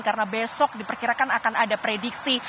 karena besok diperkirakan akan ada prediksi